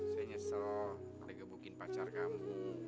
saya nyesel udah gebukin pacar kamu